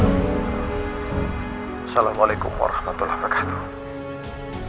assalamualaikum warahmatullah wabarakatuh